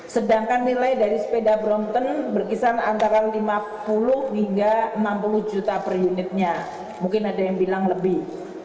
sedangkan nilai dari sepeda brompton berkisar antara lima puluh hingga enam puluh juta per unitnya mungkin ada yang bilang lebih